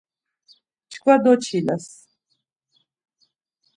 Çkva doçiles.